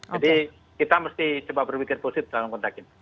jadi kita mesti coba berpikir positif dalam kontak ini